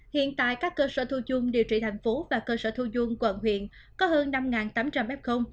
hiện tại các cơ sở thu chung điều trị thành phố và cơ sở thu dung quận huyện có hơn năm tám trăm linh f